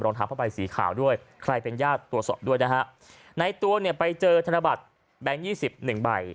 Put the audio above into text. รองเท้าผ้าใบสีขาวด้วยใครเป็นญาติตรวจสอบด้วยนะฮะในตัวเนี่ยไปเจอธนบัตรแบงค์ยี่สิบหนึ่งใบ